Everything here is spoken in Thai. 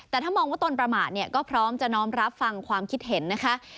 แต่ถ้ามองว่าตนประมาทเนี่ยก็พร้อมจะน้อมรับฟังความคิดเห็นนะคะ